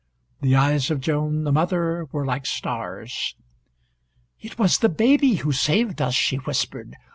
The eyes of Joan, the mother, were like stars. "It was the baby who saved us," she whispered.